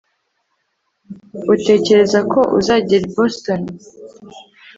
utekereza ko uzagera i boston